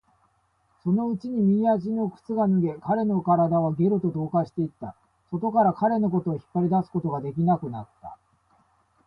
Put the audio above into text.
そのうちに右足の靴が脱げ、彼の体はゲルと同化していった。外から彼のことを引っ張り出すことができなくなった。